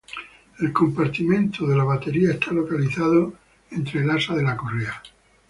El compartimento de la batería está localizado entre el asa de la correa.